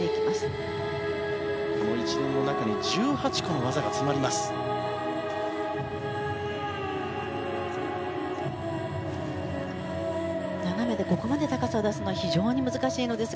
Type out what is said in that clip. この一連の中に１８個の技が詰まっています。